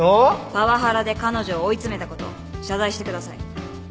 パワハラで彼女を追い詰めたことを謝罪してください。